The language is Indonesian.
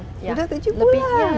sudah tujuh bulan